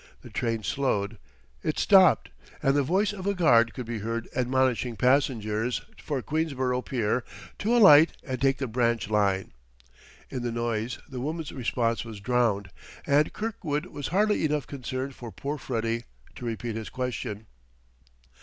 The train slowed; it stopped; and the voice of a guard could be heard admonishing passengers for Queensborough Pier to alight and take the branch line. In the noise the woman's response was drowned, and Kirkwood was hardly enough concerned for poor Freddie to repeat his question.